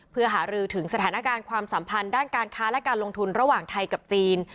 เพื่อหารือถึงสถานการณ์ความสัมพันธ์ด้านการค้าและการลงทุนระหว่างไทยกับจีน